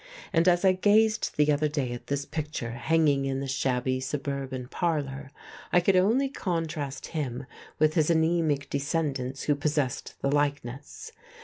And, as I gazed the other day at this picture hanging in the shabby suburban parlour, I could only contrast him with his anaemic descendants who possessed the likeness.